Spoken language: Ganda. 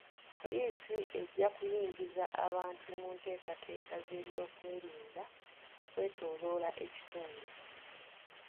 Poliisi ejja kuyingiza abantu mu ntekateeka z'ebyokwerinda okwetooloola ekitundu.